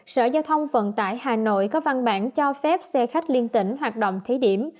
sở giao thông vận tải hà nội có văn bản cho phép xe khách liên tỉnh hoạt động thí điểm